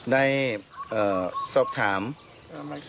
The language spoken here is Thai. ได้สอบถาม